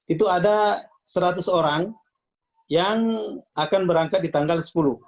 itu ada seratus orang yang akan berangkat di tanggal sepuluh